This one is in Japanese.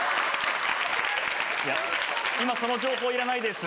いや今その情報いらないです。